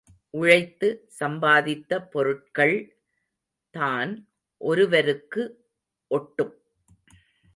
உழைத்து சம்பாதித்த பொருட்கள் தான் ஒருவருக்கு ஒட்டும்.